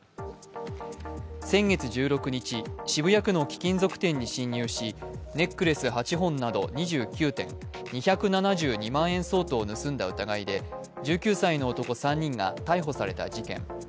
先月１６日、渋谷区の貴金属店に侵入し、ネックレス８本など２９点、２７２万円相当を盗んだ疑いで１９歳の男３人が逮捕された事件。